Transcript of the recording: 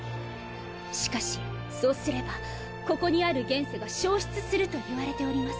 しかしそうすればここにある現世が消失すると言われております。